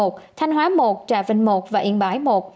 thanh hóa một trà vinh một và yên bãi một